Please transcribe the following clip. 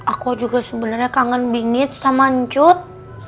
aku juga sebenarnya kangen bingit sama cut